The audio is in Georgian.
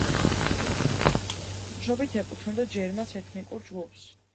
წარმოშობით ეკუთვნოდა ჯერმას ეთნიკურ ჯგუფს.